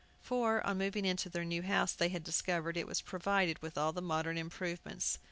For, on moving into their new house, they had discovered it was provided with all the modern improvements.